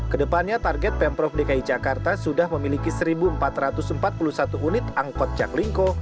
kedepannya target pemprov dki jakarta sudah memiliki satu empat ratus empat puluh satu unit angkot jaklingko